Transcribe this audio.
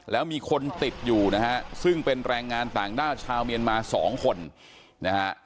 แล้วมีคนติดอยู่นะฮะซึ่งเป็นแรงงานต่างด้าวชาวเมียนมาสองคนนะฮะ